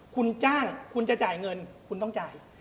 คุณจ้างคุณจะจ่ายเงินคุณต้องจ่าย